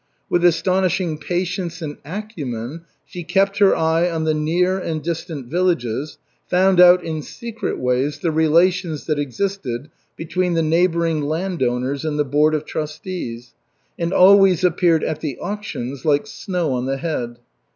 With astonishing patience and acumen she kept her eye on the near and distant villages, found out in secret ways the relations that existed between the neighboring landowners and the board of trustees, and always appeared at the auctions like snow on the head.